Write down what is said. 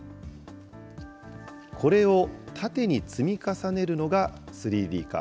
これを縦に積み重ねるのが３Ｄ化。